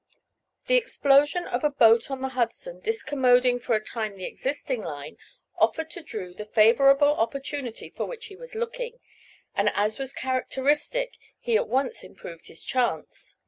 The explosion of a boat on the Hudson, discommoding for a time the existing line, offered to Drew the favorable opportunity for which he was looking, and as was characteristic he at once improved his chance.